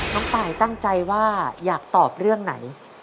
น้องตายตั้งใจว่าอยากตอบเรื่องไหน